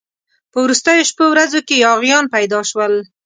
په وروستو شپو ورځو کې یاغیان پیدا شول.